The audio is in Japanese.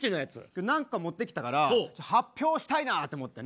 今日何個か持ってきたから発表したいなって思ってね。